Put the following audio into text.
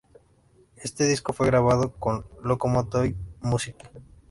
Este disco fue grabado con Locomotive Music.